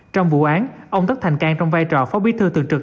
trong vụ án ông tất thành cang trong vai trò phó bí thư tường trực